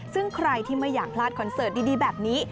ซึ่งใครที่ไม่อยากพลาดคอนเสิร์ตดีแบบนี้